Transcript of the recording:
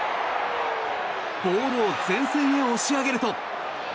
ボールを前線へ押し上げると。